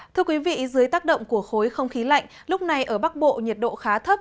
thưa quý vị dưới tác động của khối không khí lạnh lúc này ở bắc bộ nhiệt độ khá thấp